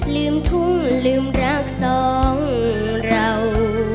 ลืมทุ่งลืมรักสองเรา